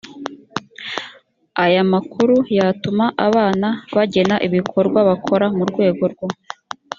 aya makuru yatuma abana bagena ibikorwa bakora mu rwego rwo